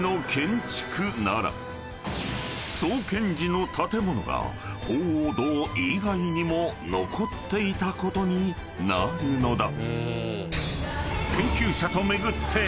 ［創建時の建物が鳳凰堂以外にも残っていたことになるのだ］